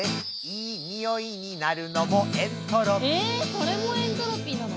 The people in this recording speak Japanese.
それもエントロピーなの？